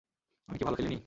আমি কি ভালো খেলিনি?